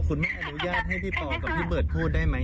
อนุญาตให้พี่ปอกับพี่เบิร์ตพูดได้ไหม